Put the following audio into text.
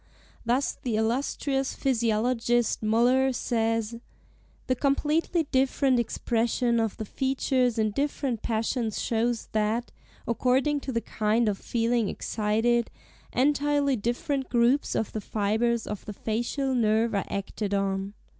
Thus the illustrious physiologist Müller, says, "The completely different expression of the features in different passions shows that, according to the kind of feeling excited, entirely different groups of the fibres of the facial nerve are acted on.